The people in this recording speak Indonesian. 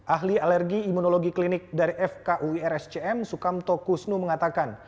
ahli alergi imunologi klinik dari fkuirscm sukamto kusnu mengatakan